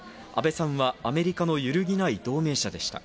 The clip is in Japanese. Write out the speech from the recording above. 安倍さんはアメリカの揺るぎない同盟者でした。